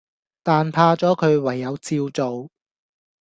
但怕左佢，唯有照做